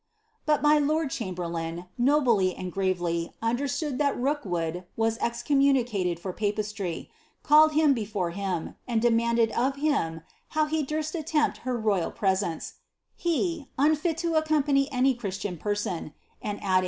"But my lord chamberlain, nobly and gravelv understanding that Rookwood was excommunicated for papisirv, calleil liim before him, and demanded of him how he durst attempt her roval presence — Ac, unfil to accompany any Christian person;" and adilins.